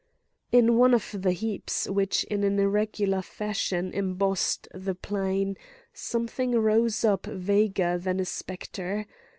In one of the heaps, which in an irregular fashion embossed the plain, something rose up vaguer than a spectre.